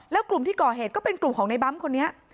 แล้วกลุ่มที่ก่อเหตุก็เป็นกลุ่มของในบั๊มคนนี้